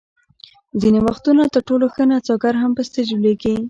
ځینې وختونه تر ټولو ښه نڅاګر هم په سټېج لویږي.